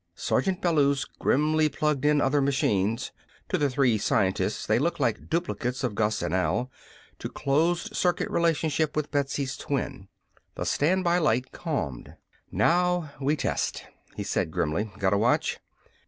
Sergeant Bellews grimly plugged in other machines to the three scientists they looked like duplicates of Gus and Al to closed circuit relationship with Betsy's twin. The standby light calmed. "Now we test," he said grimly. "Got a watch?"